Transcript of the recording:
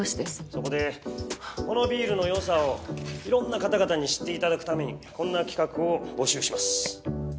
そこでこのビールの良さをいろんな方々に知って頂くためにこんな企画を募集します。